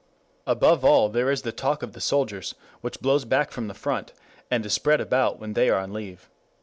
Above all there is the talk of the soldiers, which blows back from the front, and is spread about when they are on leave.